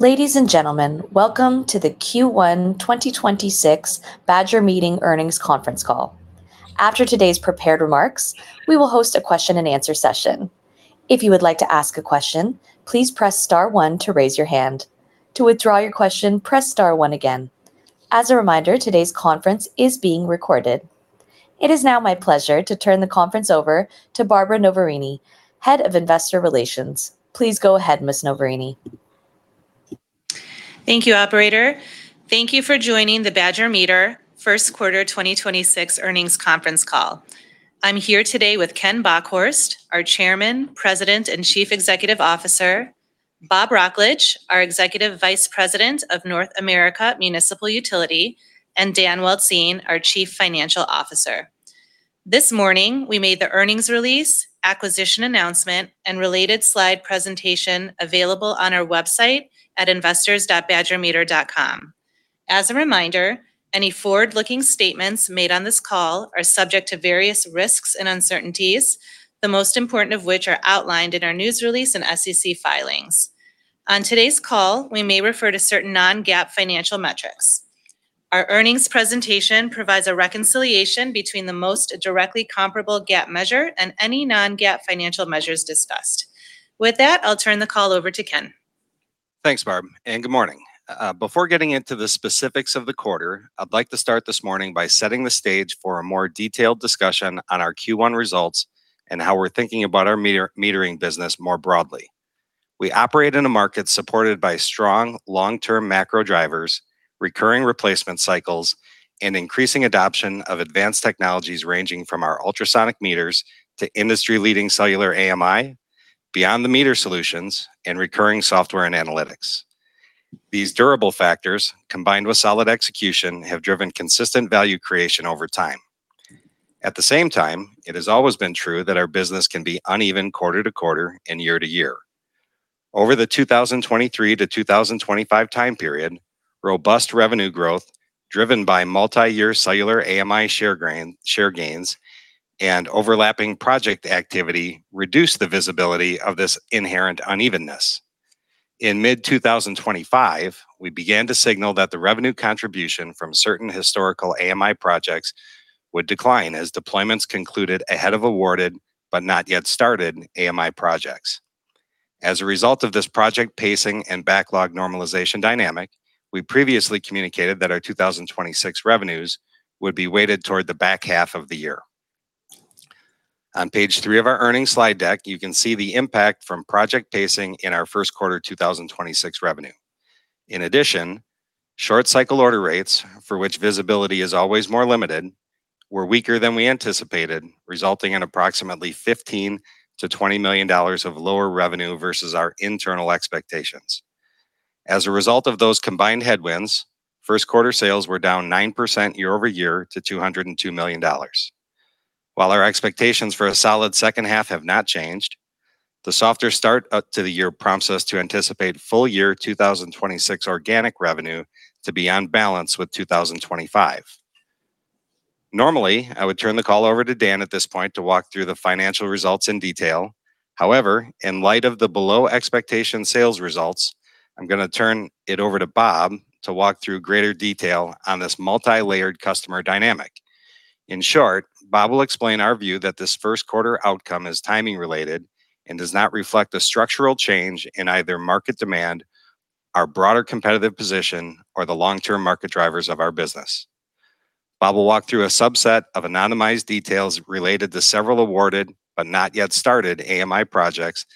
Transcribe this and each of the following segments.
Ladies and gentlemen, welcome to the Q1 2026 Badger Meter earnings conference call. After today's prepared remarks, we will host a question-and-answer session. If you would like to ask a question, please press star one to raise your hand. To withdraw your question, press star one again. As a reminder, today's conference is being recorded. It is now my pleasure to turn the conference over to Barbara Noverini, Head of Investor Relations. Please go ahead, Ms. Noverini. Thank you, operator. Thank you for joining the Badger Meter first quarter 2026 earnings conference call. I'm here today with Ken Bockhorst, our Chairman, President, and Chief Executive Officer, Bob Wrocklage, our Executive Vice President of North America Municipal Utility, and Dan Weltzien, our Chief Financial Officer. This morning, we made the earnings release, acquisition announcement, and related slide presentation available on our website at investors.badgermeter.com. As a reminder, any forward-looking statements made on this call are subject to various risks and uncertainties, the most important of which are outlined in our news release and SEC filings. On today's call, we may refer to certain non-GAAP financial metrics. Our earnings presentation provides a reconciliation between the most directly comparable GAAP measure and any non-GAAP financial measures discussed. With that, I'll turn the call over to Ken. Thanks, Barb, and good morning. Before getting into the specifics of the quarter, I'd like to start this morning by setting the stage for a more detailed discussion on our Q1 results and how we're thinking about our metering business more broadly. We operate in a market supported by strong long-term macro drivers, recurring replacement cycles, and increasing adoption of advanced technologies ranging from our ultrasonic meters to industry-leading cellular AMI, beyond-the-meter solutions, and recurring software and analytics. These durable factors, combined with solid execution, have driven consistent value creation over time. At the same time, it has always been true that our business can be uneven quarter-to-quarter and year-to-year. Over the 2023-2025 time period, robust revenue growth, driven by multi-year cellular AMI share gains and overlapping project activity, reduced the visibility of this inherent unevenness. In mid-2025, we began to signal that the revenue contribution from certain historical AMI projects would decline as deployments concluded ahead of awarded but not yet started AMI projects. As a result of this project pacing and backlog normalization dynamic, we previously communicated that our 2026 revenues would be weighted toward the back half of the year. On page three of our earnings slide deck, you can see the impact from project pacing in our first quarter 2026 revenue. In addition, short cycle order rates, for which visibility is always more limited, were weaker than we anticipated, resulting in approximately $15 million-$20 million of lower revenue versus our internal expectations. As a result of those combined headwinds, first quarter sales were down 9% year-over-year to $202 million. While our expectations for a solid second half have not changed, the softer start to the year prompts us to anticipate full year 2026 organic revenue to be on balance with 2025. Normally, I would turn the call over to Dan Weltzien at this point to walk through the financial results in detail. However, in light of the below expectation sales results, I'm going to turn it over to Bob to walk through greater detail on this multi-layered customer dynamic. In short, Bob w\ill explain our view that this first quarter outcome is timing related and does not reflect a structural change in either market demand, our broader competitive position, or the long-term market drivers of our business. Bob will walk through a subset of anonymized details related to several awarded but not yet started AMI projects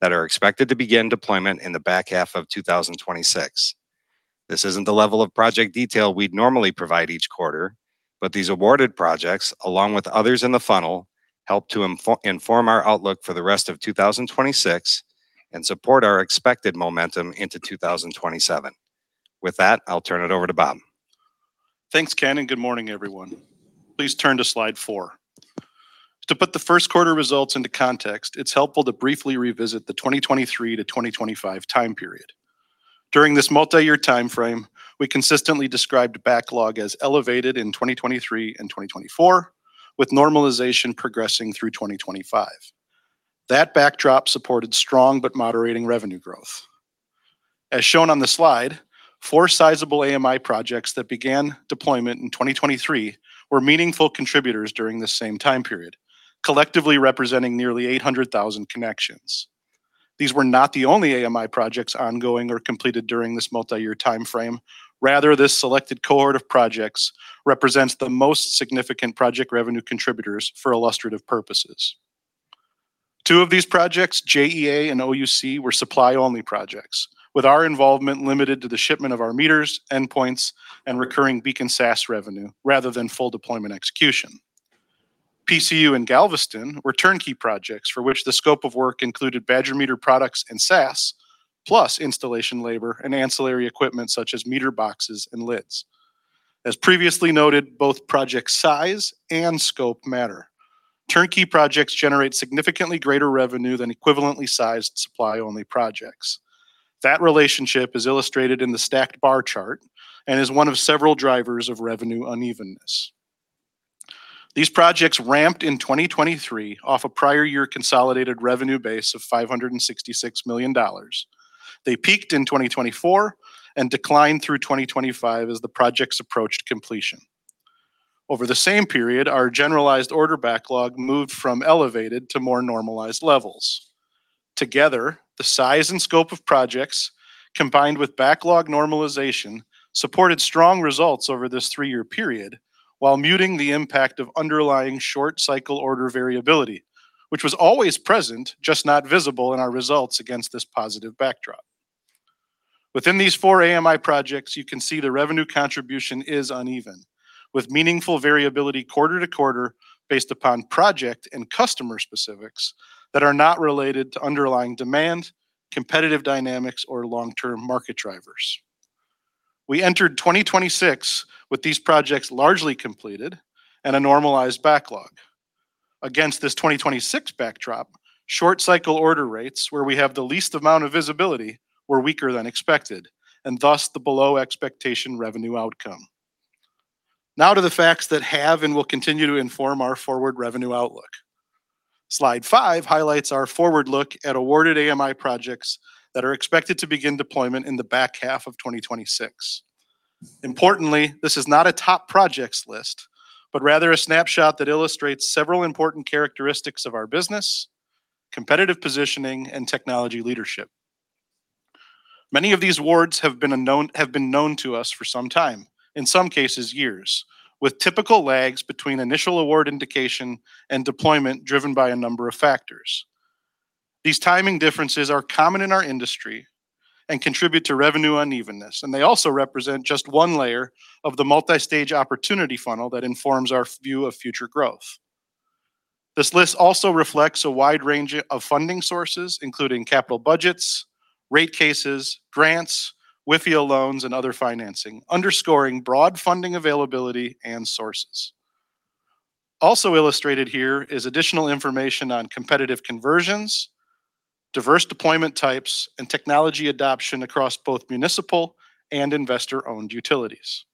that are expected to begin deployment in the back half of 2026. This isn't the level of project detail we'd normally provide each quarter, but these awarded projects, along with others in the funnel, help to inform our outlook for the rest of 2026 and support our expected momentum into 2027. With that, I'll turn it over to Bob. Thanks, Ken, and good morning, everyone. Please turn to slide four. To put the first quarter results into context, it's helpful to briefly revisit the 2023-2025 time period. During this multi-year timeframe, we consistently described backlog as elevated in 2023 and 2024, with normalization progressing through 2025. That backdrop supported strong but moderating revenue growth. As shown on the slide, four sizable AMI projects that began deployment in 2023 were meaningful contributors during the same time period, collectively representing nearly 800,000 connections. These were not the only AMI projects ongoing or completed during this multi-year timeframe. Rather, this selected cohort of projects represents the most significant project revenue contributors for illustrative purposes. Two of these projects, JEA and OUC, were supply-only projects, with our involvement limited to the shipment of our meters, endpoints, and recurring BEACON SaaS revenue, rather than full deployment execution. PCU and Galveston were turnkey projects for which the scope of work included Badger Meter products and SaaS, plus installation labor and ancillary equipment such as meter boxes and lids. As previously noted, both project size and scope matter. Turnkey projects generate significantly greater revenue than equivalently sized supply-only projects. That relationship is illustrated in the stacked bar chart and is one of several drivers of revenue unevenness. These projects ramped in 2023 off a prior year consolidated revenue base of $566 million. They peaked in 2024 and declined through 2025 as the projects approached completion. Over the same period, our generalized order backlog moved from elevated to more normalized levels. Together, the size and scope of projects, combined with backlog normalization, supported strong results over this three-year period while muting the impact of underlying short cycle order variability, which was always present, just not visible in our results against this positive backdrop. Within these four AMI projects, you can see the revenue contribution is uneven, with meaningful variability quarter-to-quarter based upon project and customer specifics that are not related to underlying demand, competitive dynamics, or long-term market drivers. We entered 2026 with these projects largely completed and a normalized backlog. Against this 2026 backdrop, short cycle order rates where we have the least amount of visibility were weaker than expected, and thus the below-expectation revenue outcome. Now to the facts that have and will continue to inform our forward revenue outlook. Slide five highlights our forward look at awarded AMI projects that are expected to begin deployment in the back half of 2026. Importantly, this is not a top projects list, but rather a snapshot that illustrates several important characteristics of our business, competitive positioning, and technology leadership. Many of these awards have been known to us for some time, in some cases, years, with typical lags between initial award indication and deployment driven by a number of factors. These timing differences are common in our industry and contribute to revenue unevenness, and they also represent just one layer of the multi-stage opportunity funnel that informs our view of future growth. This list also reflects a wide range of funding sources, including capital budgets, rate cases, grants, WIFIA loans, and other financing, underscoring broad funding availability and sources. Also illustrated here is additional information on competitive conversions, diverse deployment types, and technology adoption across both municipal and investor-owned utilities.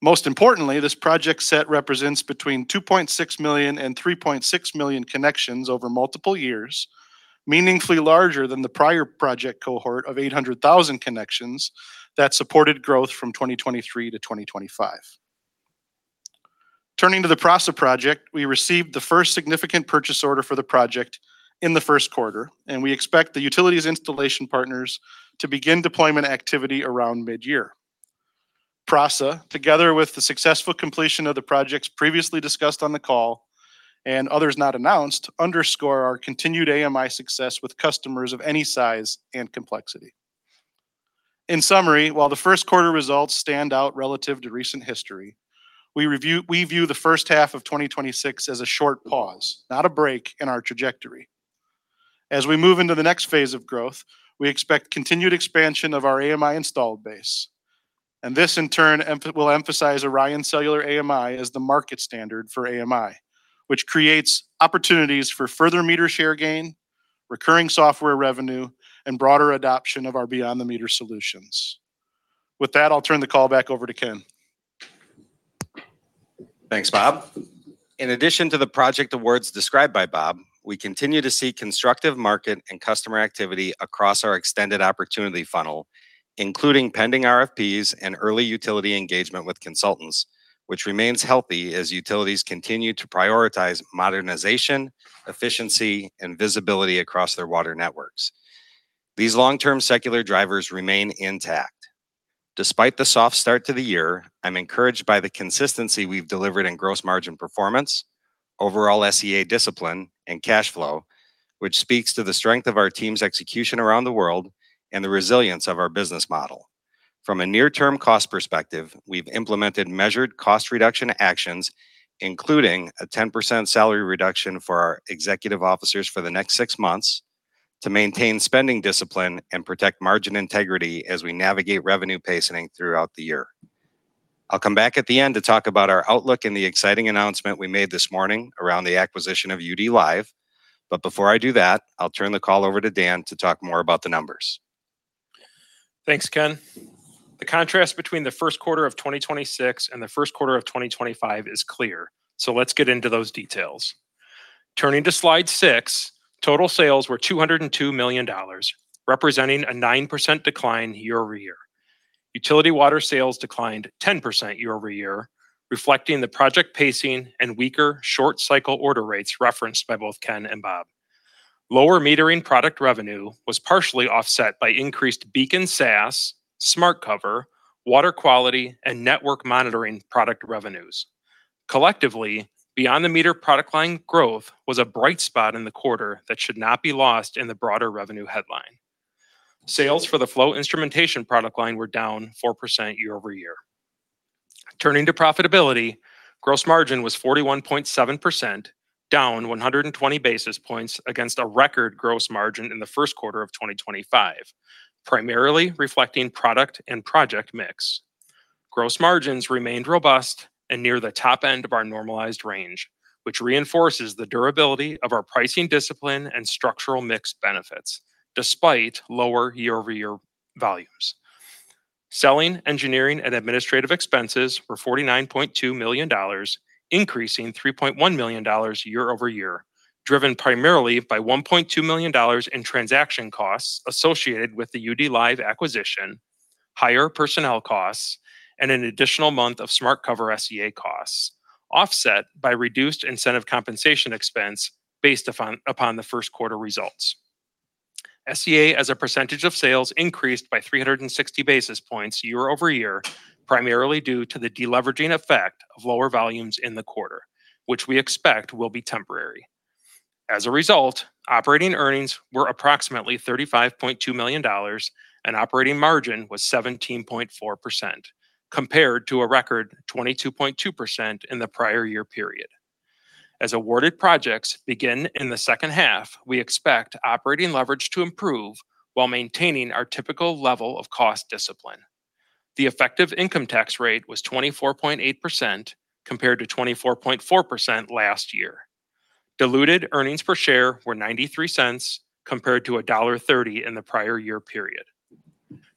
Most importantly, this project set represents between 2.6 million and 3.6 million connections over multiple years, meaningfully larger than the prior project cohort of 800,000 connections that supported growth from 2023-2025. Turning to the PRASA project, we received the first significant purchase order for the project in the first quarter, and we expect the utilities installation partners to begin deployment activity around mid-year. PRASA, together with the successful completion of the projects previously discussed on the call and others not announced, underscore our continued AMI success with customers of any size and complexity. In summary, while the first quarter results stand out relative to recent history, we view the first half of 2026 as a short pause, not a break in our trajectory. As we move into the next phase of growth, we expect continued expansion of our AMI installed base, and this in turn will emphasize ORION Cellular AMI as the market standard for AMI, which creates opportunities for further meter share gain, recurring software revenue, and broader adoption of our beyond the meter solutions. With that, I'll turn the call back over to Ken. Thanks, Bob. In addition to the project awards described by Bob, we continue to see constructive market and customer activity across our extended opportunity funnel, including pending RFPs and early utility engagement with consultants, which remains healthy as utilities continue to prioritize modernization, efficiency, and visibility across their water networks. These long-term secular drivers remain intact. Despite the soft start to the year, I'm encouraged by the consistency we've delivered in gross margin performance, overall SE&A discipline, and cash flow, which speaks to the strength of our team's execution around the world and the resilience of our business model. From a near-term cost perspective, we've implemented measured cost reduction actions, including a 10% salary reduction for our executive officers for the next six months, to maintain spending discipline and protect margin integrity as we navigate revenue pacing throughout the year. I'll come back at the end to talk about our outlook and the exciting announcement we made this morning around the acquisition of UDlive. Before I do that, I'll turn the call over to Dan to talk more about the numbers. Thanks, Ken. The contrast between the first quarter of 2026 and the first quarter of 2025 is clear, so let's get into those details. Turning to slide six, total sales were $202 million, representing a 9% decline year-over-year. Utility water sales declined 10% year-over-year, reflecting the project pacing and weaker short cycle order rates referenced by both Ken and Bob. Lower metering product revenue was partially offset by increased BEACON SaaS, SmartCover, water quality, and network monitoring product revenues. Collectively, beyond the meter product line growth was a bright spot in the quarter that should not be lost in the broader revenue headline. Sales for the flow instrumentation product line were down 4% year-over-year. Turning to profitability, gross margin was 41.7%, down 120 basis points against a record gross margin in the first quarter of 2025, primarily reflecting product and project mix. Gross margins remained robust and near the top end of our normalized range, which reinforces the durability of our pricing discipline and structural mix benefits despite lower year-over-year volumes. Selling, engineering, and administrative expenses were $49.2 million, increasing $3.1 million year-over-year, driven primarily by $1.2 million in transaction costs associated with the UDlive acquisition, higher personnel costs, and an additional month of SmartCover SE&A costs, offset by reduced incentive compensation expense based upon the first quarter results. SE&A as a percentage of sales increased by 360 basis points year-over-year, primarily due to the de-leveraging effect of lower volumes in the quarter, which we expect will be temporary. As a result, operating earnings were approximately $35.2 million, and operating margin was 17.4%, compared to a record 22.2% in the prior year period. As awarded projects begin in the second half, we expect operating leverage to improve while maintaining our typical level of cost discipline. The effective income tax rate was 24.8%, compared to 24.4% last year. Diluted earnings per share were $0.93, compared to $1.30 in the prior year period.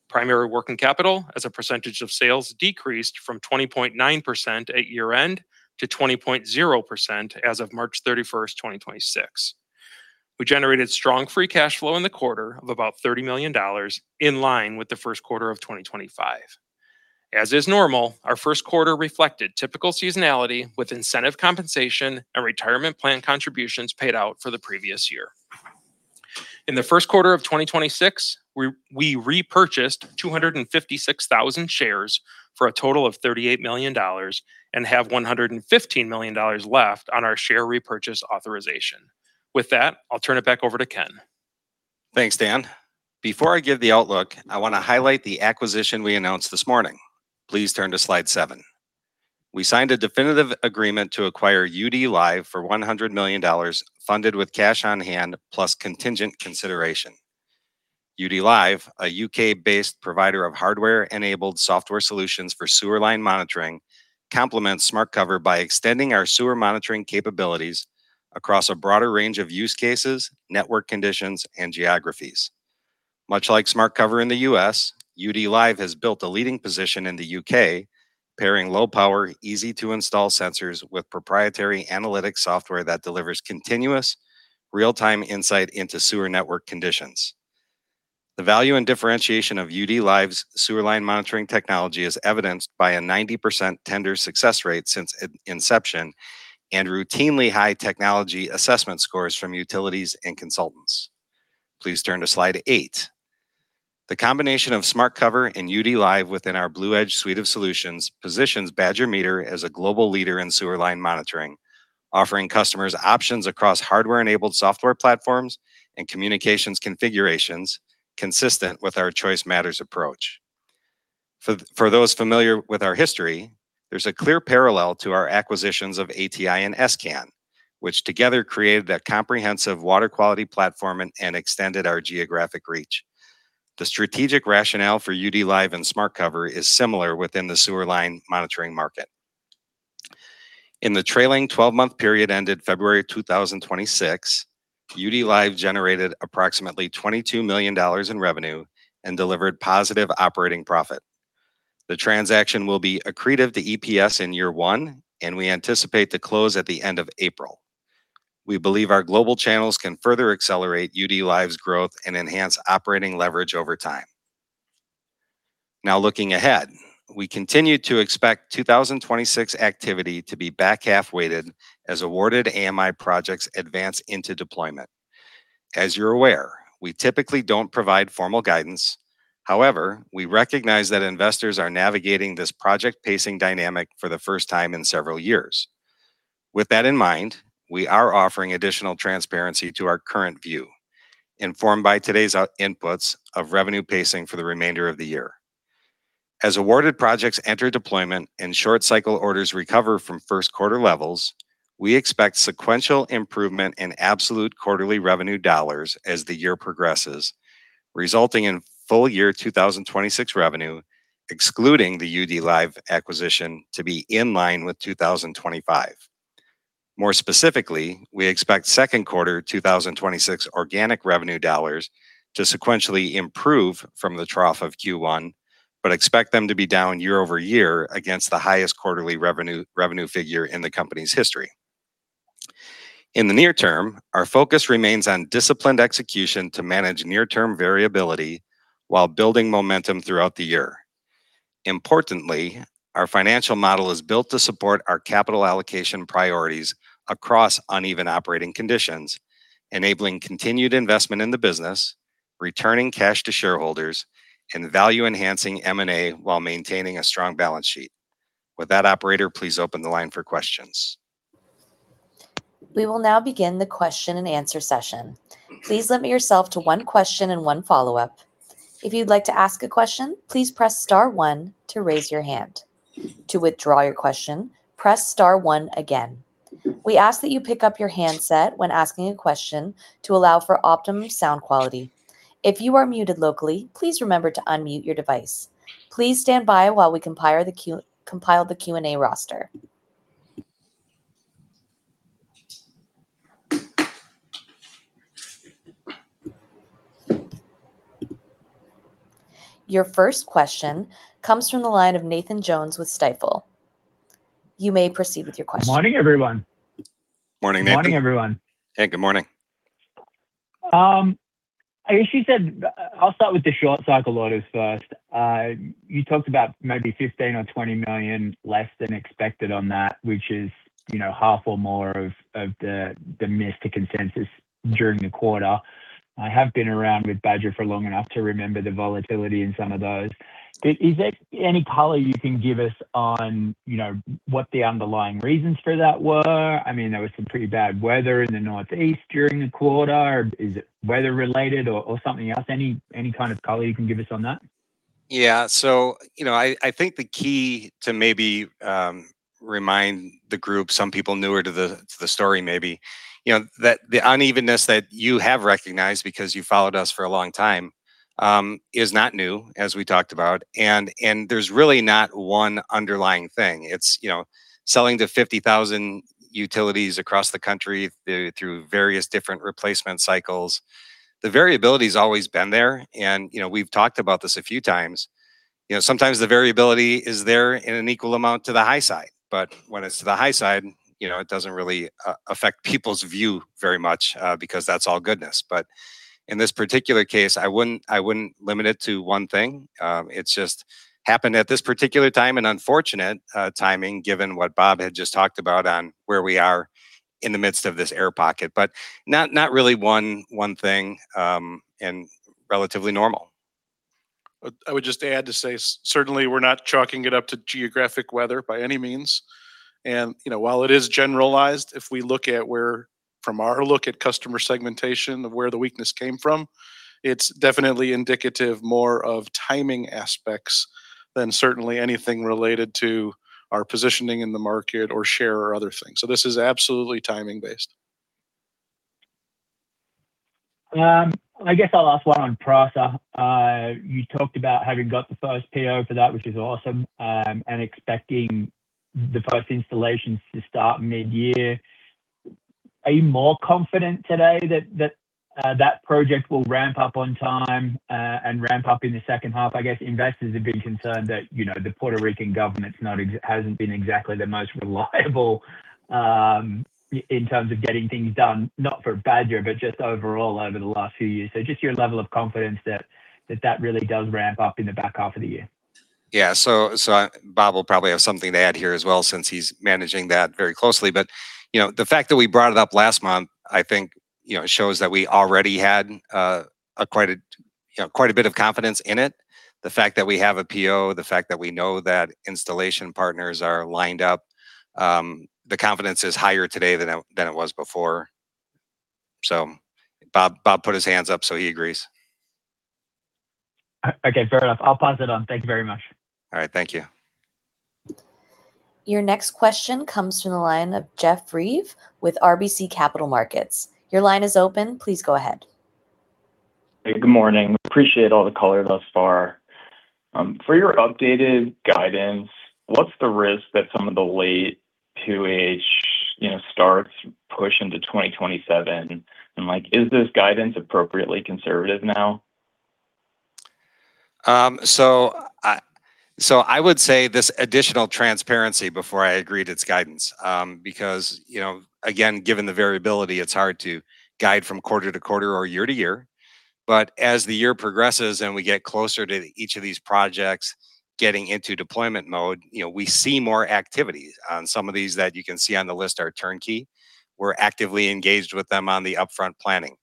Primary working capital as a percentage of sales decreased from 20.9% at year-end to 20.0% as of March 31st, 2026. We generated strong free cash flow in the quarter of about $30 million, in line with the first quarter of 2025. As is normal, our first quarter reflected typical seasonality with incentive compensation and retirement plan contributions paid out for the previous year. In the first quarter of 2026, we repurchased 256,000 shares for a total of $38 million and have $115 million left on our share repurchase authorization. With that, I'll turn it back over to Ken. Thanks, Dan. Before I give the outlook, I want to highlight the acquisition we announced this morning. Please turn to slide seven. We signed a definitive agreement to acquire UDlive for $100 million, funded with cash on-hand plus contingent consideration. UDlive, a U.K.-based provider of hardware-enabled software solutions for sewer line monitoring, complements SmartCover by extending our sewer monitoring capabilities across a broader range of use cases, network conditions, and geographies. Much like SmartCover in the U.S., UDlive has built a leading position in the U.K., pairing low power, easy-to-install sensors with proprietary analytic software that delivers continuous real-time insight into sewer network conditions. The value and differentiation of UDlive's sewer line monitoring technology is evidenced by a 90% tender success rate since inception and routinely high technology assessment scores from utilities and consultants. Please turn to slide eight. The combination of SmartCover and UDlive within our BlueEdge suite of solutions positions Badger Meter as a global leader in sewer line monitoring, offering customers options across hardware-enabled software platforms and communications configurations consistent with our Choice Matters approach. For those familiar with our history, there's a clear parallel to our acquisitions of ATI and s::can, which together created a comprehensive water quality platform and extended our geographic reach. The strategic rationale for UDlive and SmartCover is similar within the sewer line monitoring market. In the trailing 12-month period ended February 2026, UDlive generated approximately $22 million in revenue and delivered positive operating profit. The transaction will be accretive to EPS in year one, and we anticipate to close at the end of April. We believe our global channels can further accelerate UDlive's growth and enhance operating leverage over time. Now looking ahead, we continue to expect 2026 activity to be back-half weighted as awarded AMI projects advance into deployment. As you're aware, we typically don't provide formal guidance. However, we recognize that investors are navigating this project pacing dynamic for the first time in several years. With that in mind, we are offering additional transparency to our current view, informed by today's inputs of revenue pacing for the remainder of the year. As awarded projects enter deployment and short cycle orders recover from first quarter levels, we expect sequential improvement in absolute quarterly revenue dollars as the year progresses, resulting in full year 2026 revenue, excluding the UDlive acquisition, to be in line with 2025. More specifically, we expect second quarter 2026 organic revenue dollars to sequentially improve from the trough of Q1, but expect them to be down year-over-year against the highest quarterly revenue figure in the company's history. In the near-term, our focus remains on disciplined execution to manage near-term variability while building momentum throughout the year. Importantly, our financial model is built to support our capital allocation priorities across uneven operating conditions, enabling continued investment in the business, returning cash to shareholders, and value-enhancing M&A while maintaining a strong balance sheet. With that, operator, please open the line for questions. We will now begin the question-and-answer session. Please limit yourself to one question and one follow-up. If you'd like to ask a question, please press star one to raise your hand. To withdraw your question, press star one again. We ask that you pick up your handset when asking a question to allow for optimum sound quality. If you are muted locally, please remember to unmute your device. Please stand by while we compile the Q&A roster. Your first question comes from the line of Nathan Jones with Stifel. You may proceed with your question. Good morning, everyone. Morning, Nathan. Good morning, everyone. Hey, good morning. I'll start with the short cycle orders first. You talked about maybe $15 million or $20 million less than expected on that, which is half or more of the miss to consensus during the quarter. I have been around with Badger for long enough to remember the volatility in some of those. Is there any color you can give us on what the underlying reasons for that were? There was some pretty bad weather in the Northeast during the quarter. Is it weather related or something else? Any kind of color you can give us on that? Yeah. I think the key to maybe remind the group, some people newer to the story maybe, that the unevenness that you have recognized because you followed us for a long time, is not new, as we talked about. There's really not one underlying thing, it's selling to 50,000 utilities across the country through various different replacement cycles. The variability's always been there and we've talked about this a few times. Sometimes the variability is there in an equal amount to the high side, but when it's to the high side, it doesn't really affect people's view very much, because that's all goodness. In this particular case, I wouldn't limit it to one thing. It's just happened at this particular time, an unfortunate timing, given what Bob had just talked about on where we are in the midst of this air pocket but not really one thing, and relatively normal. I would just add to say certainly we're not chalking it up to geographic weather by any means. While it is generalized, from our look at customer segmentation of where the weakness came from, it's definitely indicative more of timing aspects than certainly anything related to our positioning in the market or share or other things. This is absolutely timing based. I guess I'll ask one on PRASA. You talked about having got the first PO for that, which is awesome, and expecting the first installations to start mid-year. Are you more confident today that that project will ramp up on time, and ramp up in the second half? I guess investors have been concerned that the Puerto Rican government hasn't been exactly the most reliable in terms of getting things done, not for Badger, but just overall over the last few years. Just your level of confidence that that really does ramp up in the back half of the year. Yeah. Bob will probably have something to add here as well, since he's managing that very closely. The fact that we brought it up last month, I think, shows that we already had quite a bit of confidence in it. The fact that we have a PO, the fact that we know that installation partners are lined up, the confidence is higher today than it was before. Bob put his hands up, so he agrees. Okay. Fair enough. I'll pass it on. Thank you very much. All right. Thank you. Your next question comes from the line of Jeffrey Reive with RBC Capital Markets. Your line is open. Please go ahead. Good morning. Appreciate all the color thus far. For your updated guidance, what's the risk that some of the late 2H starts push into 2027? Like, is this guidance appropriately conservative now? I would say this additional transparency before I agree it's guidance. Because again, given the variability, it's hard to guide from quarter-to-quarter or year-to-year. As the year progresses and we get closer to each of these projects getting into deployment mode, we see more activity. On some of these that you can see on the list are turnkey. We're actively engaged with them on the upfront planning.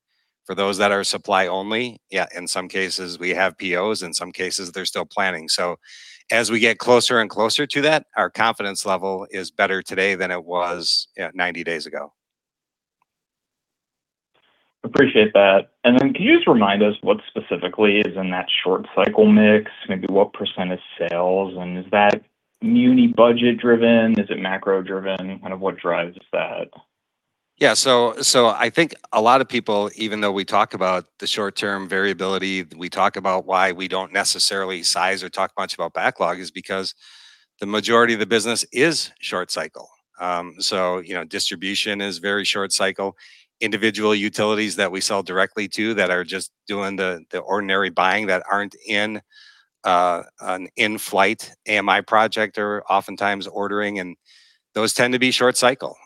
For those that are supply only, yeah, in some cases we have POs, in some cases they're still planning. As we get closer and closer to that, our confidence level is better today than it was 90 days ago. Appreciate that. Can you just remind us what specifically is in that short cycle mix, maybe what percent of sales, and is that muni budget driven? Is it macro driven? Kind of what drives that? Yeah. I think a lot of people, even though we talk about the short-term variability, we talk about why we don't necessarily size or talk much about backlog is because the majority of the business is short cycle. Distribution is very short cycle. Individual utilities that we sell directly to that are just doing the ordinary buying that aren't in an in-flight AMI project are oftentimes ordering, and those tend to be short cycle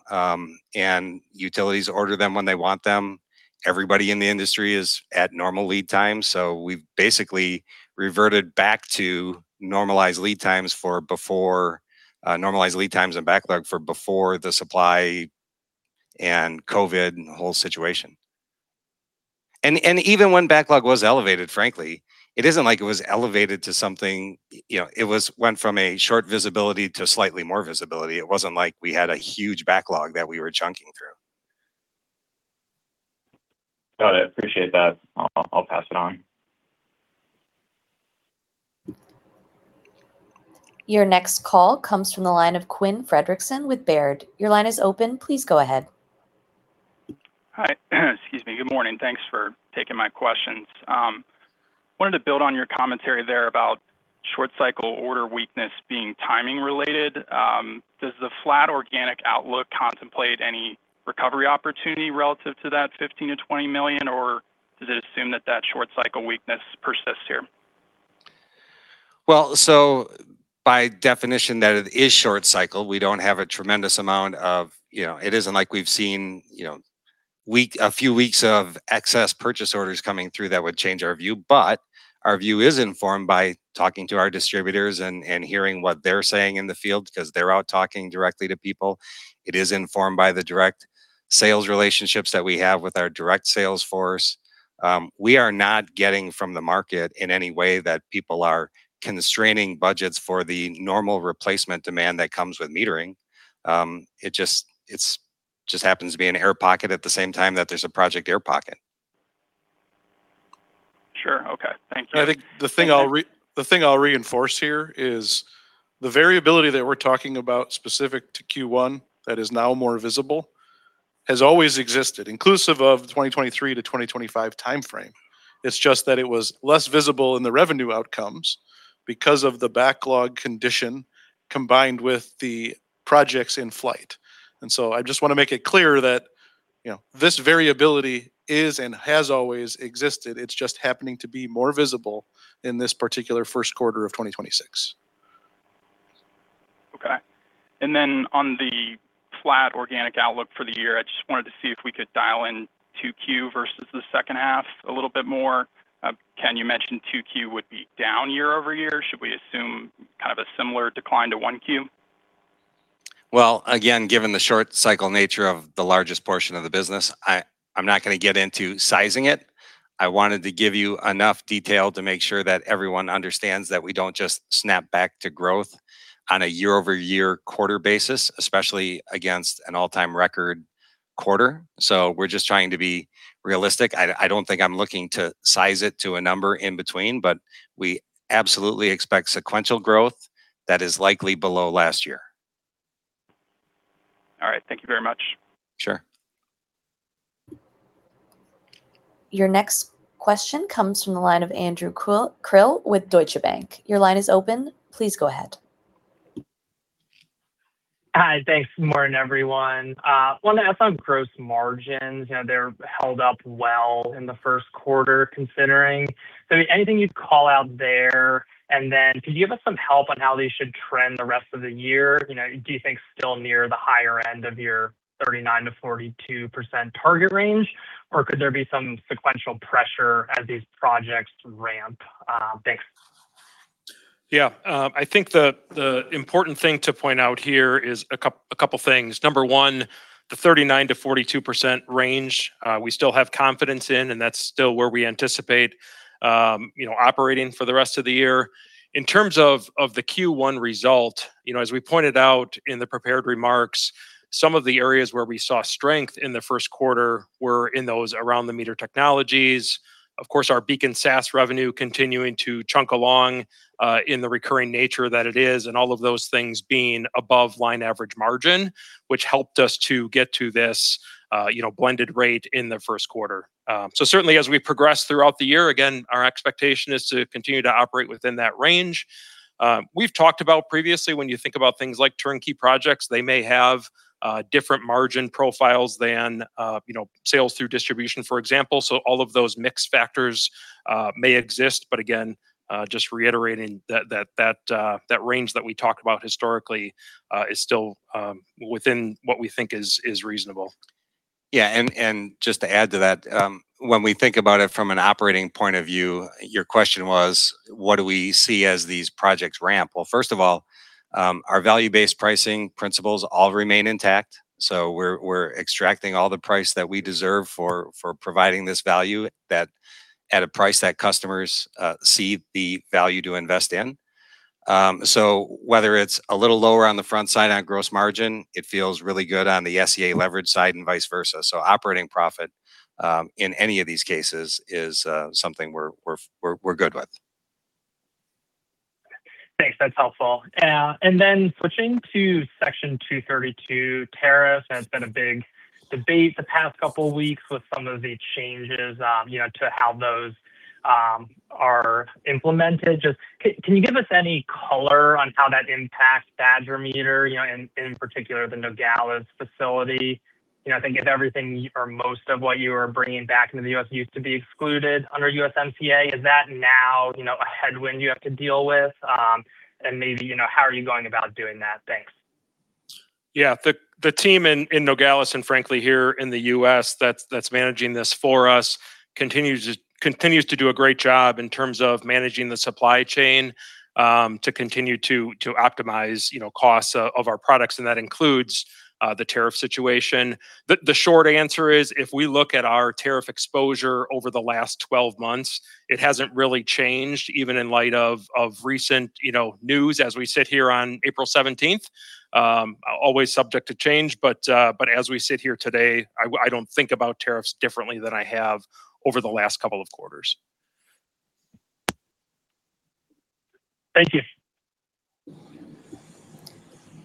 and utilities order them when they want them. Everybody in the industry is at normal lead time, so we've basically reverted back to normalized lead times from before, normalized lead times and backlog from before the supply chain and COVID and the whole situation. Even when backlog was elevated, frankly, it isn't like it was elevated to something. It went from a short visibility to slightly more visibility. It wasn't like we had a huge backlog that we were chunking through. Got it. Appreciate that. I'll pass it on. Your next call comes from the line of Quinn Fredrickson with Baird. Your line is open. Please go ahead. Hi. Excuse me. Good morning. Thanks for taking my questions. Wanted to build on your commentary there about short cycle order weakness being timing related. Does the flat organic outlook contemplate any recovery opportunity relative to that $15 million-$20 million, or does it assume that short cycle weakness persists here? Well, by definition that it is short cycle, we don't have a tremendous amount of. It isn't like we've seen a few weeks of excess purchase orders coming through that would change our view. Our view is informed by talking to our distributors and hearing what they're saying in the field, because they're out talking directly to people. It is informed by the direct sales relationships that we have with our direct sales force. We are not getting from the market in any way that people are constraining budgets for the normal replacement demand that comes with metering. It just happens to be an air pocket at the same time that there's a project air pocket. Sure. Okay. Thanks. I think the thing I'll reinforce here is the variability that we're talking about specific to Q1 that is now more visible, has always existed, inclusive of the 2023-2025 timeframe. It's just that it was less visible in the revenue outcomes because of the backlog condition, combined with the projects in flight. I just want to make it clear that this variability is and has always existed. It's just happening to be more visible in this particular first quarter of 2026. Okay. On the flat organic outlook for the year, I just wanted to see if we could dial in 2Q versus the second half a little bit more. Ken, you mentioned 2Q would be down year-over-year. Should we assume kind of a similar decline to 1Q? Well, again, given the short cycle nature of the largest portion of the business, I'm not going to get into sizing it. I wanted to give you enough detail to make sure that everyone understands that we don't just snap back to growth on a year-over-year quarter basis, especially against an all-time record quarter, so we're just trying to be realistic. I don't think I'm looking to size it to a number in between, but we absolutely expect sequential growth that is likely below last year. All right. Thank you very much. Sure. Your next question comes from the line of Andrew Krill with Deutsche Bank. Your line is open. Please go ahead. Hi. Thanks. Good morning, everyone. Wanted to ask on gross margins. They're held up well in the first quarter considering. Anything you'd call out there, and then could you give us some help on how these should trend the rest of the year? Do you think still near the higher end of your 39%-42% target range, or could there be some sequential pressure as these projects ramp? Thanks. Yeah. I think the important thing to point out here is a couple things. Number one, the 39%-42% range, we still have confidence in, and that's still where we anticipate operating for the rest of the year. In terms of the Q1 result, as we pointed out in the prepared remarks, some of the areas where we saw strength in the first quarter were in those around the meter technologies. Of course, our BEACON SaaS revenue continuing to chug along in the recurring nature that it is, and all of those things being above line average margin, which helped us to get to this blended rate in the first quarter. Certainly as we progress throughout the year, again, our expectation is to continue to operate within that range. We've talked about previously, when you think about things like turnkey projects, they may have different margin profiles than sales through distribution, for example, so all of those mixed factors may exist. Again, just reiterating that the range that we talked about historically is still within what we think is reasonable. Yeah. Just to add to that, when we think about it from an operating point of view, your question was, what do we see as these projects ramp? Well, first of all, our value-based pricing principles all remain intact. We're extracting all the price that we deserve for providing this value at a price that customers see the value to invest in. So whether it's a little lower on the front side on gross margin, it feels really good on the SE&A leverage side and vice versa. Operating profit in any of these cases is something we're good with. Thanks. That's helpful. Switching to Section 232 tariff, it's been a big debate the past couple of weeks with some of the changes to how those are implemented. Just, can you give us any color on how that impacts Badger Meter, in particular the Nogales facility? I think if everything or most of what you were bringing back into the U.S. used to be excluded under USMCA, is that now a headwind you have to deal with? Maybe, how are you going about doing that? Thanks. Yeah. The team in Nogales, and frankly here in the U.S. that's managing this for us, continues to do a great job in terms of managing the supply chain, to continue to optimize costs of our products, and that includes the tariff situation. The short answer is, if we look at our tariff exposure over the last 12 months, it hasn't really changed even in light of recent news as we sit here on April 17th. Always subject to change, but as we sit here today, I don't think about tariffs differently than I have over the last couple of quarters. Thank you.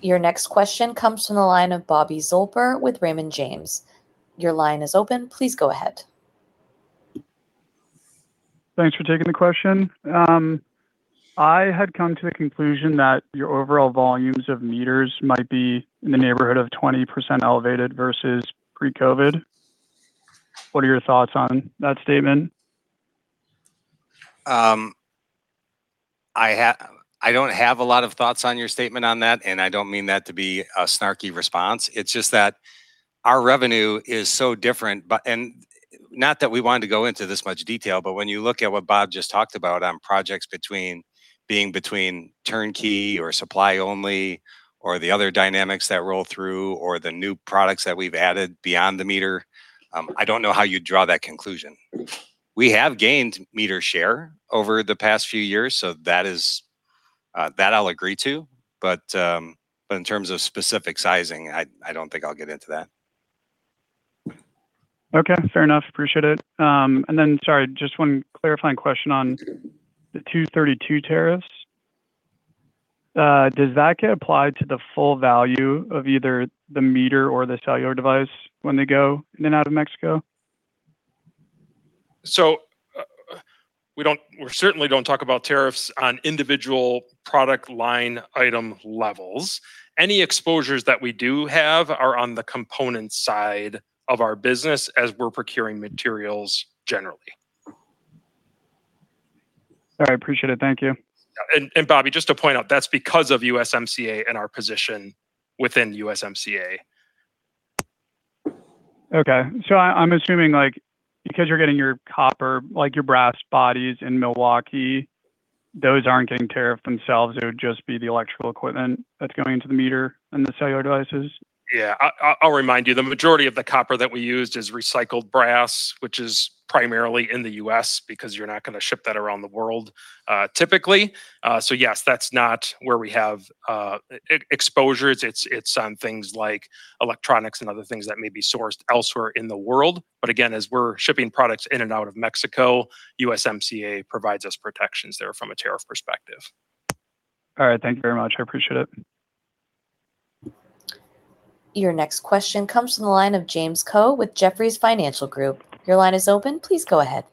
Your next question comes from the line of Bobby Zolper with Raymond James. Your line is open. Please go ahead. Thanks for taking the question. I had come to the conclusion that your overall volumes of meters might be in the neighborhood of 20% elevated versus pre-COVID. What are your thoughts on that statement? I don't have a lot of thoughts on your statement on that, and I don't mean that to be a snarky response. It's just that our revenue is so different, and not that we wanted to go into this much detail, but when you look at what Bob just talked about on projects between being turnkey or supply only, or the other dynamics that roll through, or the new products that we've added beyond the meter, I don't know how you'd draw that conclusion. We have gained meter share over the past few years, so that I'll agree to, but in terms of specific sizing, I don't think I'll get into that. Okay, fair enough. Appreciate it. Sorry, just one clarifying question on the Section 232 tariffs. Does that get applied to the full value of either the meter or the cellular device when they go in and out of Mexico? We certainly don't talk about tariffs on individual product line item levels. Any exposures that we do have are on the component side of our business as we're procuring materials generally. All right, appreciate it. Thank you. Bobby, just to point out, that's because of USMCA and our position within USMCA. Okay. I'm assuming because you're getting your copper, your brass bodies in Milwaukee, those aren't getting tariffed themselves. It would just be the electrical equipment that's going into the meter and the cellular devices? Yeah. I'll remind you, the majority of the copper that we used is recycled brass, which is primarily in the U.S. because you're not going to ship that around the world, typically. So yes, that's not where we have exposures. It's on things like electronics and other things that may be sourced elsewhere in the world. Again, as we're shipping products in and out of Mexico, USMCA provides us protections there from a tariff perspective. All right. Thank you very much. I appreciate it. Your next question comes from the line of James Ko with Jefferies Financial Group. Your line is open. Please go ahead.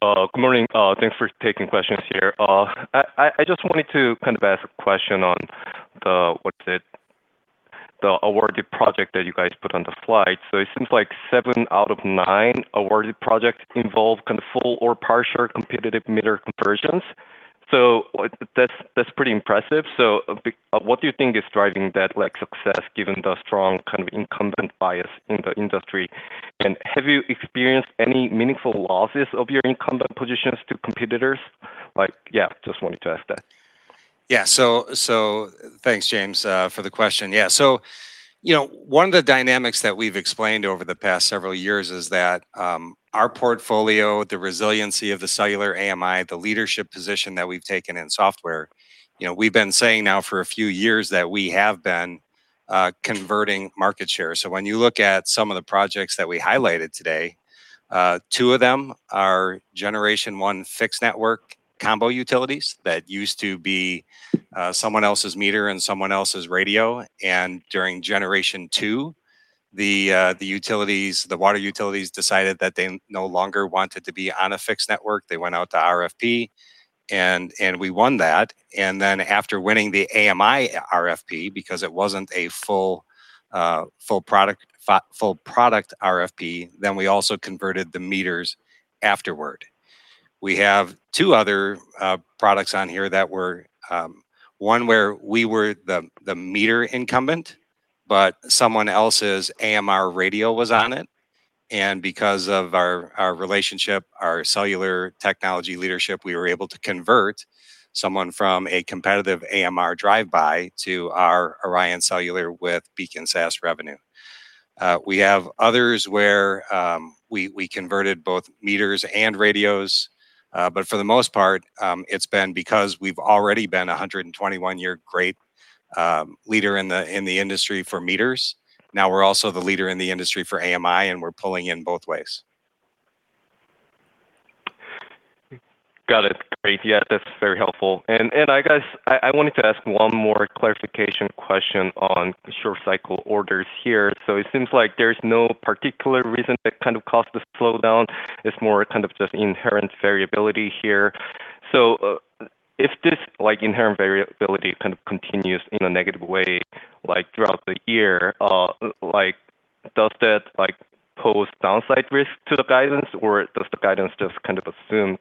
Good morning. Thanks for taking questions here. I just wanted to kind of ask a question on the, what is it? The awarded project that you guys put on the slide. It seems like seven out of nine awarded projects involve kind of full or partial competitive meter conversions. That's pretty impressive. What do you think is driving that success given the strong kind of incumbent bias in the industry, and have you experienced any meaningful losses of your incumbent positions to competitors? Yeah, just wanted to ask that. Yeah. Thanks James for the question. Yeah. One of the dynamics that we've explained over the past several years is that our portfolio, the resiliency of the cellular AMI, the leadership position that we've taken in software, we've been saying now for a few years that we have been converting market share. When you look at some of the projects that we highlighted today, two of them are generation one fixed network combo utilities that used to be someone else's meter and someone else's radio. During generation 2, the water utilities decided that they no longer wanted to be on a fixed network. They went out to RFP, and we won that. Then after winning the AMI RFP, because it wasn't a full product RFP, then we also converted the meters afterward. We have two other products on here that were, one where we were the meter incumbent, but someone else's AMR radio was on it. Because of our relationship, our cellular technology leadership, we were able to convert someone from a competitive AMR drive-by to our ORION Cellular with BEACON SaaS revenue. We have others where, we converted both meters and radios. For the most part, it's been because we've already been 121-year great leader in the industry for meters. Now we're also the leader in the industry for AMI, and we're pulling in both ways. Got it. Great. Yeah, that's very helpful. I wanted to ask one more clarification question on the short cycle orders here. It seems like there's no particular reason that kind of caused the slowdown. It's more kind of just inherent variability here. If this inherent variability kind of continues in a negative way throughout the year, does that pose downside risk to the guidance, or does the guidance just kind of assume,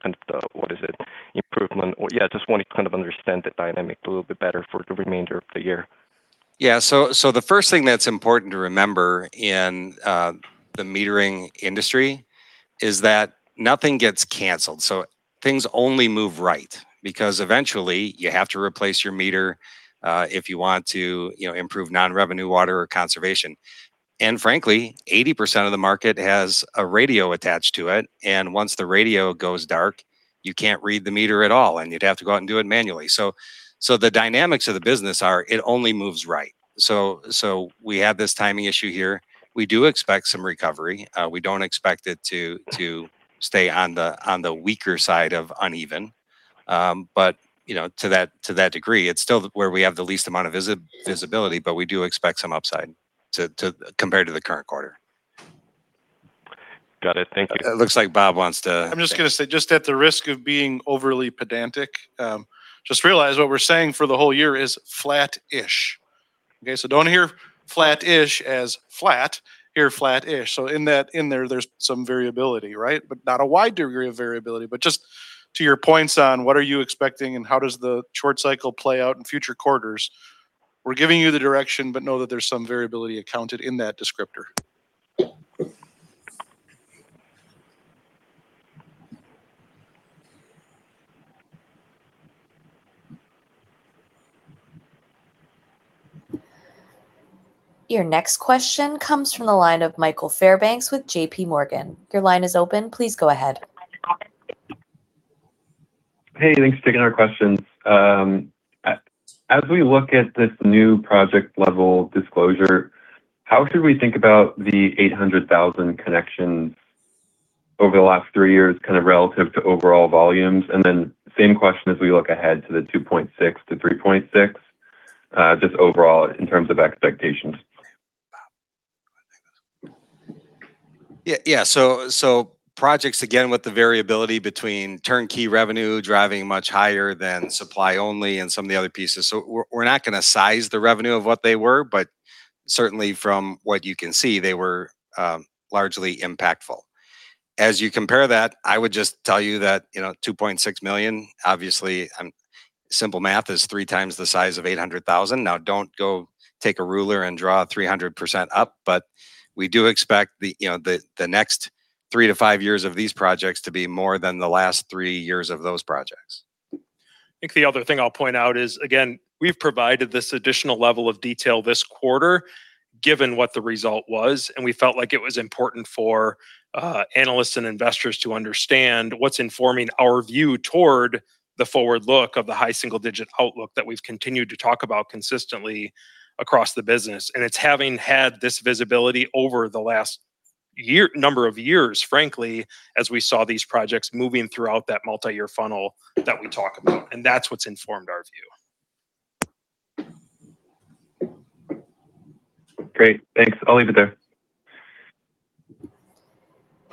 what is it, improvement or, yeah, I just want to kind of understand the dynamic a little bit better for the remainder of the year? Yeah, the first thing that's important to remember in the metering industry is that nothing gets cancele, so things only move right. Because eventually you have to replace your meter, if you want to improve non-revenue water or conservation. Frankly, 80% of the market has a radio attached to it. Once the radio goes dark, you can't read the meter at all, and you'd have to go out and do it manually. The dynamics of the business are it only moves right. We have this timing issue here. We do expect some recovery. We don't expect it to stay on the weaker side of uneven. To that degree, it's still where we have the least amount of visibility, but we do expect some upside compared to the current quarter. Got it. Thank you. It looks like Bob wants to- I'm just going to say, just at the risk of being overly pedantic, just realize what we're saying for the whole year is flat-ish. Okay, don't hear flat-ish as flat. Hear flat-ish. In there's some variability. Not a wide degree of variability, but just to your points on what are you expecting and how does the short cycle play out in future quarters, we're giving you the direction, but know that there's some variability accounted in that descriptor. Your next question comes from the line of Michael Fay with JPMorgan. Your line is open. Please go ahead. Hey, thanks for taking our questions. As we look at this new project-level disclosure, how should we think about the 800,000 connections over the last three years, kind of relative to overall volumes? Same question as we look ahead to the 2.6-3.6, just overall in terms of expectations. Projects, again, with the variability between turnkey revenue driving much higher than supply only and some of the other pieces. We're not going to size the revenue of what they were, but certainly from what you can see, they were largely impactful. As you compare that, I would just tell you that $2.6 million, obviously, simple math is three times the size of $800,000. Now don't go take a ruler and draw 300% up, but we do expect the next three to five years of these projects to be more than the last three years of those projects. I think the other thing I'll point out is, again, we've provided this additional level of detail this quarter, given what the result was, and we felt like it was important for analysts and investors to understand what's informing our view toward the forward look of the high single-digit outlook that we've continued to talk about consistently across the business. It's having had this visibility over the last number of years, frankly, as we saw these projects moving throughout that multi-year funnel that we talk about, and that's what's informed our view. Great. Thanks. I'll leave it there.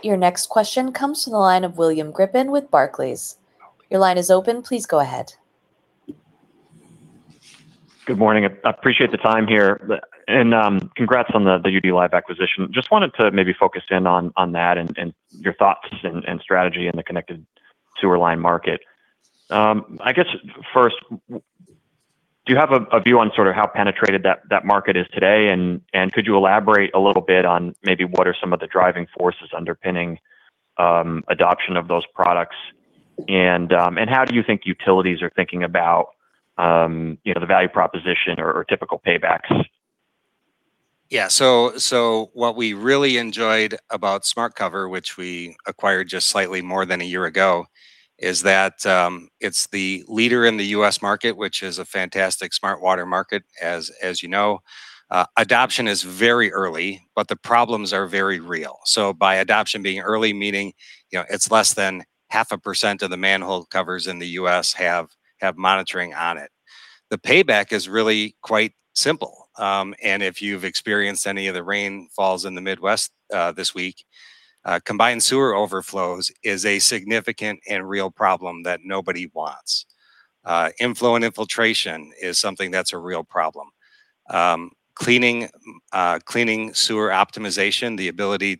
Your next question comes from the line of William Grippin with Barclays. Your line is open. Please go ahead. Good morning. I appreciate the time here. Congrats on the UDlive acquisition. Just wanted to maybe focus in on that and your thoughts and strategy in the connected sewer line market. I guess first, do you have a view on sort of how penetrated that market is today, and could you elaborate a little bit on maybe what are some of the driving forces underpinning adoption of those products, and how do you think utilities are thinking about the value proposition or typical paybacks? Yeah. What we really enjoyed about SmartCover, which we acquired just slightly more than a year ago, is that it's the leader in the U.S. market, which is a fantastic smart water market as you know. Adoption is very early, but the problems are very real. By adoption being early, meaning it's less than 0.5% of the manhole covers in the U.S. have monitoring on it. The payback is really quite simple. If you've experienced any of the rainfalls in the Midwest this week, combined sewer overflows is a significant and real problem that nobody wants. Inflow and infiltration is something that's a real problem. Cleaning sewer optimization, the ability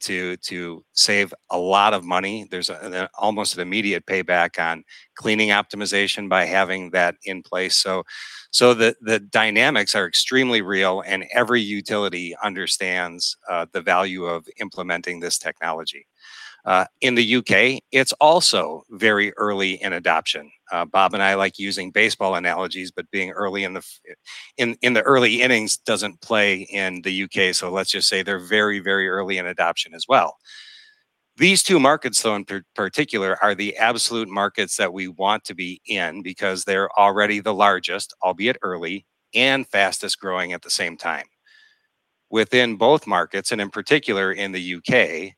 to save a lot of money, there's an almost immediate payback on cleaning optimization by having that in place. The dynamics are extremely real and every utility understands the value of implementing this technology. In the U.K., it's also very early in adoption. Bob and I like using baseball analogies, but being early in the early innings doesn't play in the U.K. so let's just say they're very, very early in adoption as well. These two markets, though, in particular, are the absolute markets that we want to be in because they're already the largest, albeit early, and fastest-growing at the same time. Within both markets, and in particular in the U.K.,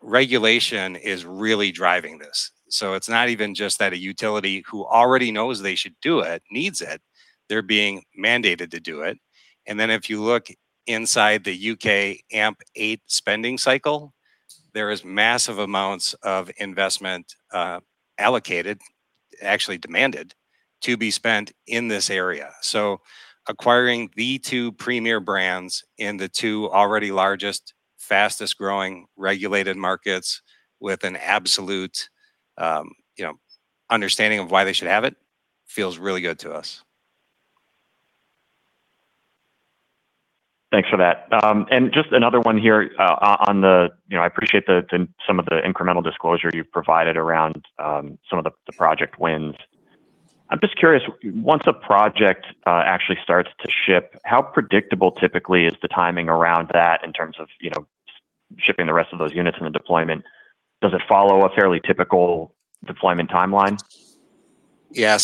regulation is really driving this. So it's not even just that a utility who already knows they should do it needs it. They're being mandated to do it. If you look inside the U.K., AMP8 spending cycle, there is massive amounts of investment allocated, actually demanded, to be spent in this area. Acquiring the two premier brands in the two already largest, fastest-growing regulated markets with an absolute understanding of why they should have it feels really good to us. Thanks for that. Just another one here, I appreciate some of the incremental disclosure you've provided around some of the project wins. I'm just curious, once a project actually starts to ship, how predictable typically is the timing around that in terms of shipping the rest of those units in the deployment? Does it follow a fairly typical deployment timeline? Yeah.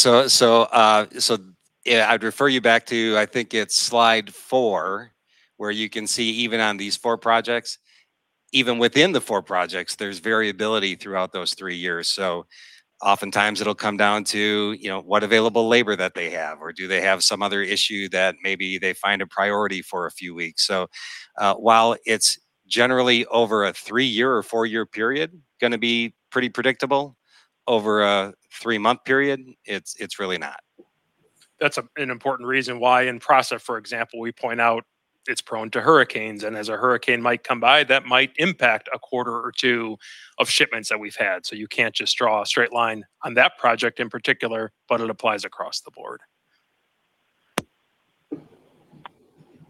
I'd refer you back to, I think it's slide four, where you can see even on these four projects, even within the four projects, there's variability throughout those three years. Oftentimes it'll come down to what available labor that they have, or do they have some other issue that maybe they find a priority for a few weeks. While it's generally over a three-year or four-year period going to be pretty predictable, over a three-month period, it's really not. That's an important reason why in PRASA, for example, we point out it's prone to hurricanes, and as a hurricane might come by, that might impact a quarter or two of shipments that we've had. You can't just draw a straight line on that project in particular, but it applies across the board.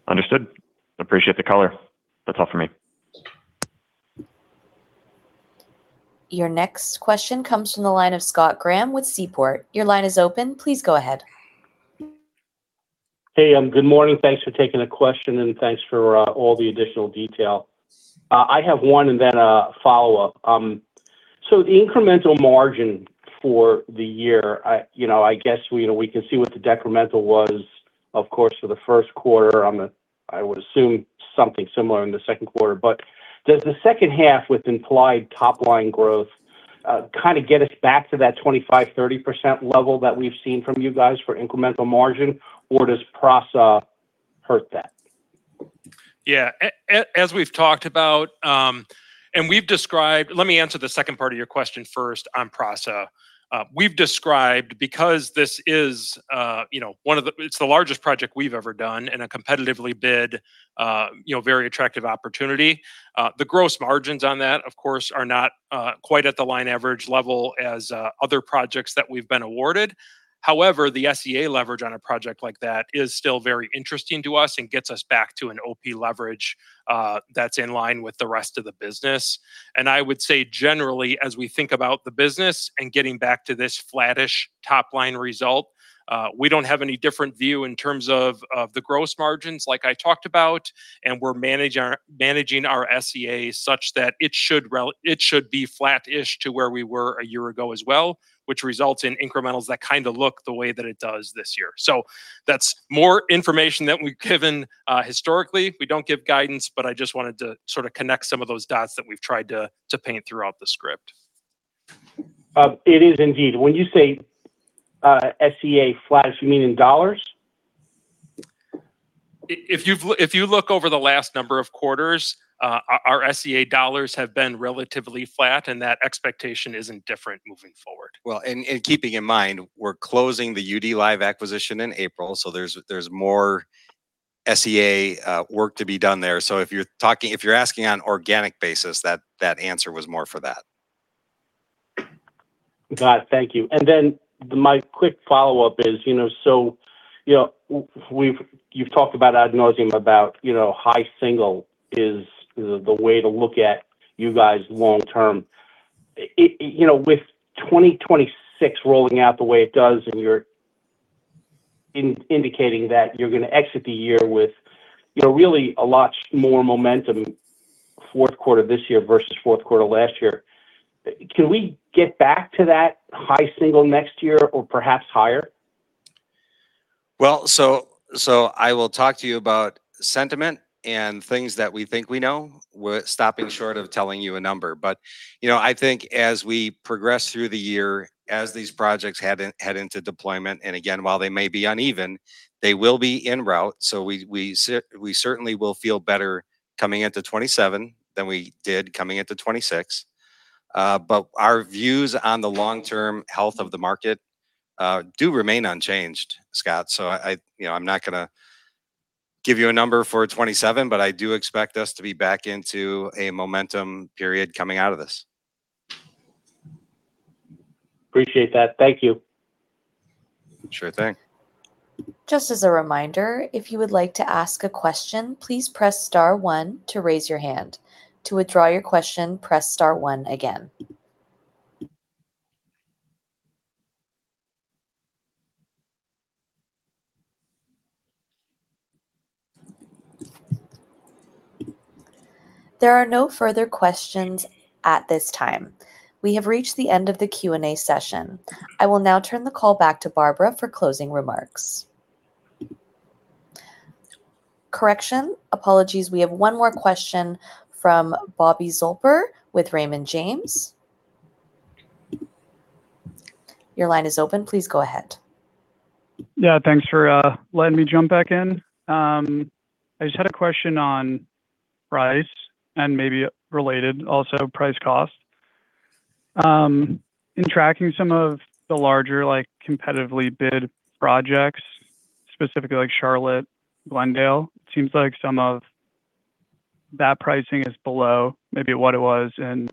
Understood. Appreciate the color. That's all for me. Your next question comes from the line of Scott Graham with Seaport. Your line is open. Please go ahead. Hey. Good morning. Thanks for taking the question, and thanks for all the additional detail. I have one and then a follow-up. The incremental margin for the year, I guess we can see what the decremental was, of course, for the first quarter. I would assume something similar in the second quarter. Does the second half with implied top-line growth get us back to that 25%-30% level that we've seen from you guys for incremental margin, or does PRASA hurt that? Yeah. As we've talked about, and we've described, let me answer the second part of your question first on PRASA. We've described, because this is the largest project we've ever done in a competitively bid, very attractive opportunity. The gross margins on that, of course, are not quite at the line average level as other projects that we've been awarded. However, the SE&A leverage on a project like that is still very interesting to us and gets us back to an OP leverage that's in line with the rest of the business. I would say generally, as we think about the business and getting back to this flattish top-line result, we don't have any different view in terms of the gross margins like I talked about, and we're managing our SE&A such that it should be flattish to where we were a year ago as well, which results in incrementals that look the way that it does this year. That's more information than we've given historically. We don't give guidance, but I just wanted to sort of connect some of those dots that we've tried to paint throughout the script. It is indeed. When you say SE&A flat, do you mean in dollars? If you look over the last number of quarters, our SE&A dollars have been relatively flat, and that expectation isn't different moving forward. Well, keeping in mind, we're closing the UDlive acquisition in April, so there's more SE&A work to be done there. If you're asking on organic basis, that answer was more for that. Got it. Thank you. My quick follow-up is, so you've talked about ad nauseam about high single is the way to look at you guys long term. With 2026 rolling out the way it does and you're indicating that you're going to exit the year with really a lot more momentum fourth quarter this year versus fourth quarter last year, can we get back to that high single next year or perhaps higher? I will talk to you about sentiment and things that we think we know, stopping short of telling you a number. I think as we progress through the year, as these projects head into deployment, and again, while they may be uneven, they will be en route. We certainly will feel better coming into 2027 than we did coming into 2026. Our views on the long-term health of the market do remain unchanged, Scott. I'm not going to give you a number for 2027, but I do expect us to be back into a momentum period coming out of this. Appreciate that. Thank you. Sure thing. Just as a reminder, if you would like to ask a question, please press star one to raise your hand. To withdraw your question, press star one again. There are no further questions at this time. We have reached the end of the Q&A session. I will now turn the call back to Barbara for closing remarks. Correction. Apologies. We have one more question from Bobby Zolper with Raymond James. Your line is open. Please go ahead. Yeah. Thanks for letting me jump back in. I just had a question on price and maybe related also price cost. In tracking some of the larger competitively bid projects, specifically like Charlotte, Glendale, it seems like some of that pricing is below maybe what it was in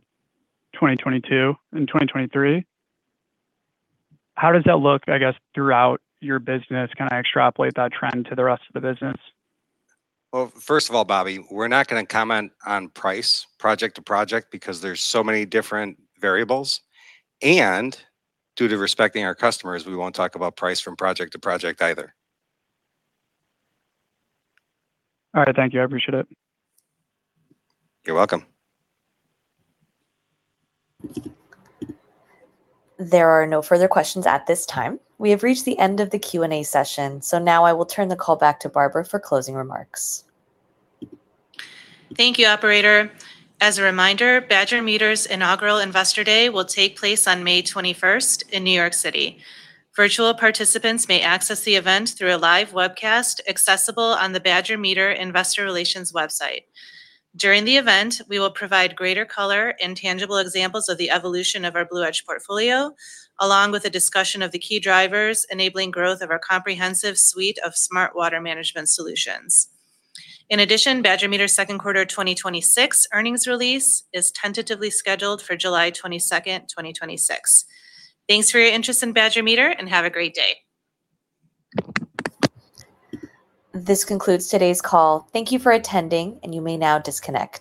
2022 and 2023. How does that look, I guess, throughout your business? Can I extrapolate that trend to the rest of the business? Well, first of all, Bobby, we're not going to comment on price from project to project because there's so many different variables, and due to respecting our customers, we won't talk about price from project to project either. All right. Thank you. I appreciate it. You're welcome. There are no further questions at this time. We have reached the end of the Q&A session. Now I will turn the call back to Barbara for closing remarks. Thank you, operator. As a reminder, Badger Meter's inaugural Investor Day will take place on May 21st in New York City. Virtual participants may access the event through a live webcast accessible on the Badger Meter investor relations website. During the event, we will provide greater color and tangible examples of the evolution of our BlueEdge portfolio, along with a discussion of the key drivers enabling growth of our comprehensive suite of smart water management solutions. In addition, Badger Meter's second quarter 2026 earnings release is tentatively scheduled for July 22nd, 2026. Thanks for your interest in Badger Meter and have a great day. This concludes today's call. Thank you for attending and you may now disconnect.